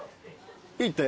いいって？